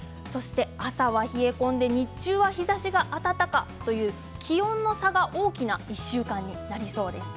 朝は冷え込んで日中は日ざしが暖かという気温の差が大きな１週間になりそうです。